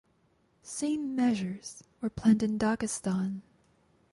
Same measures were planned in Dagestan.